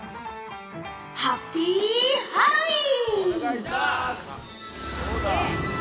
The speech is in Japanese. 「ハッピーハロウィン」。